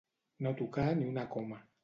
No tocar ni una coma.